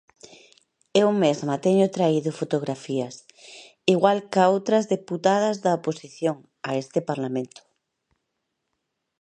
Eu mesma teño traído fotografías, igual ca outras deputadas da oposición, a este Parlamento.